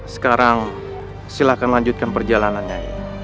sekarang silahkan lanjutkan perjalanannya